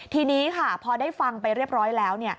ทีนี้ค่ะพอได้ฟังไปเรียบร้อยแล้ว